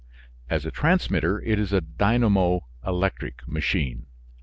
As a transmitter it is a dynamo electric machine.